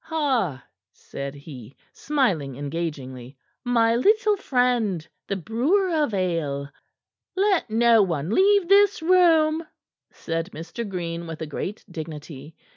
"Ha!" said he, smiling engagingly. "My little friend, the brewer of ale." "Let no one leave this room," said Mr. Green with a great dignity.